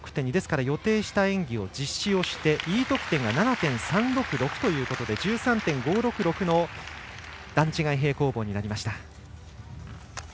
予定した演技を実施をしてＥ得点が７．３６６ということで１３．５６６の段違い平行棒になりました。